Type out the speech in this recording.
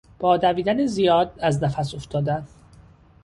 با دویدن زیاد از نفس افتادن